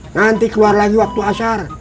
nanti keluar lagi waktu asar